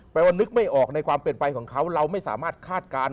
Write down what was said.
ว่านึกไม่ออกในความเป็นไปของเขาเราไม่สามารถคาดการณ์